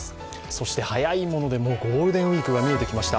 そして早いものでゴールデンウイークが見えてきました。